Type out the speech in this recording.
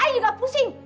ayah juga pusing